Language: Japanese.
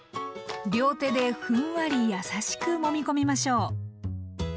両手でふんわり優しくもみ込みましょう。